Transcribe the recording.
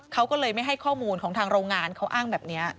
เขาก็เลยไม่ให้ข้อมูลของทางโรงงานเขาอ้างแบบนี้